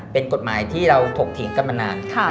เป็นกฎหมายที่เราถกเถียงกันมานาน